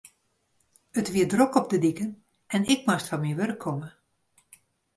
It wie drok op de diken en ik moast fan myn wurk komme.